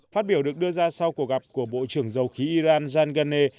phát biểu được đưa ra sau cuộc gặp của bộ trưởng dầu khí iran jan gane